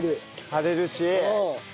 張れるし。